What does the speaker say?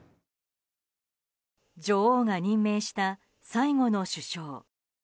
女王が任命した最後の首相。